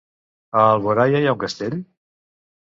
A Alboraia hi ha un castell?